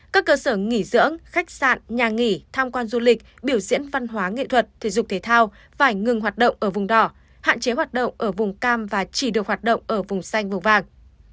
các cơ sở nghỉ dưỡng khách sạn nhà nghỉ tham quan du lịch biểu diễn văn hóa nghệ thuật thể dục thể thao phải ngừng hoạt động ở vùng đỏ hạn chế hoạt động ở vùng cam và chỉ được hoạt động ở vùng xanh màu vàng